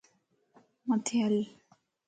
مٿي ھل